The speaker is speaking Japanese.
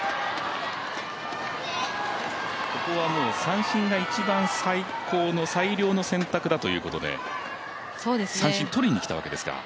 ここは、三振が一番最高の最良の選択だということで三振、とりにきたわけですが。